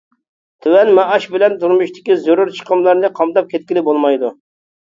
تۆۋەن مائاش بىلەن تۇرمۇشتىكى زۆرۈر چىقىملارنى قامداپ كەتكىلى بولمايدۇ.